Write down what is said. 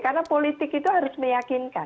karena politik itu harus meyakinkan